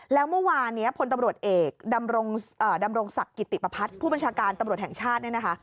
แล้วเมื่อวานนี้พลตำรวจเอกดำรงศักดิ์กิติประพัฒน์ผู้บัญชาการตำรวจแห่งชาติเนี่ยนะคะ